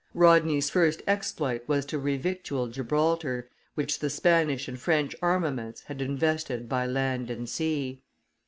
Rodney's first exploit was to revictual Gibraltar, which the Spanish and French armaments had invested by land and sea.